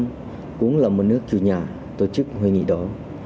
hội nghị asean apol lần thứ ba mươi chín là một nước chủ nhà tổ chức hội nghị đó